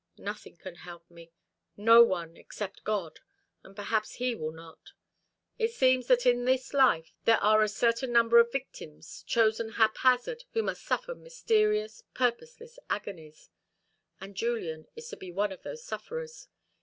_ Nothing can help me no one except God. And perhaps He will not. It seems that in this life there are a certain number of victims, chosen haphazard, who must suffer mysterious, purposeless agonies. And Julian is to be one of those sufferers.